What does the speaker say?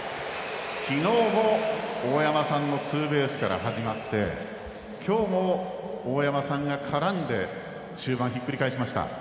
昨日も大山さんのツーベースから始まって今日も大山さんが絡んで終盤、ひっくり返しました。